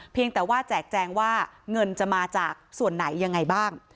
แต่ว่าแจกแจงว่าเงินจะมาจากส่วนไหนยังไงบ้าง